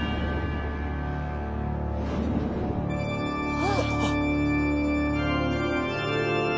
あっ。